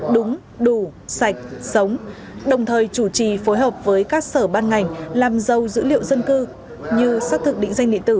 đúng đủ sạch sống đồng thời chủ trì phối hợp với các sở ban ngành làm giàu dữ liệu dân cư như xác thực định danh điện tử